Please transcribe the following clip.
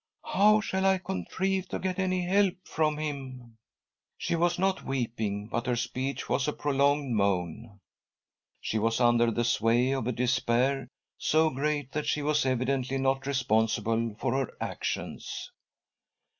How shall I contrive to get any help from Him ?" She was not weeping, but her speech was a pro longed moan. She was under the sway of a despair so great that she was evidently not responsible for her actions.